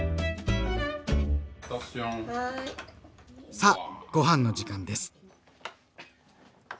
さあごはんの時間です。